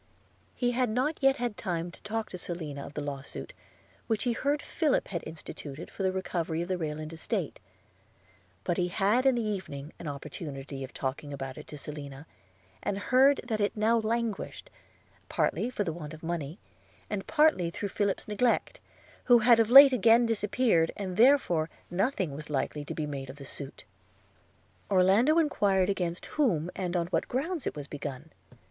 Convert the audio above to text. He had not yet had time to talk to Selina, of the law suit which he heard Philip had instituted for the recovery of the Rayland estate; but he had in the evening an opportunity of talking about it to Selina, and heard that it now languished, partly for want of money, and partly through Philip's neglect, who had of late again disappeared, and therefore nothing was likely to be made of the suit. Orlando enquired against whom, and on what grounds it was begun?